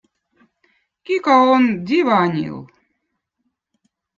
Kiko on d̕iivanill